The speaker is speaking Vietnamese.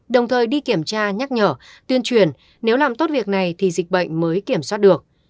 đồng thời đi kiểm tra nhắc nhở tuyên truyền nếu làm tốt việc này thì dịch bệnh mới kiểm soát được